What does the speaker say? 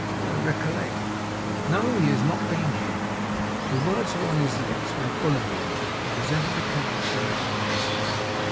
'I recollect. No. He has not been here.' The words were on his lips, when Bullamy entered, and presented a card to the Medical Officer.